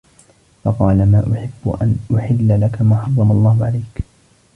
فَقَالَ مَا أُحِبُّ أَنْ أَحِلَّ لَك مَا حَرَّمَ اللَّهُ عَلَيْك